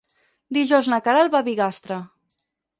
Dijous na Queralt va a Bigastre.